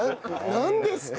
なんですか？